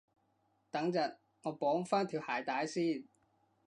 等陣，我綁返條鞋帶先